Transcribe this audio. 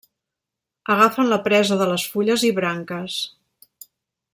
Agafen la presa de les fulles i branques.